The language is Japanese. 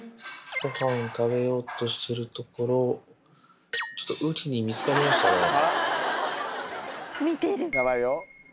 ごはん食べようとしてるところを、ちょっとウリに見つかりましたね。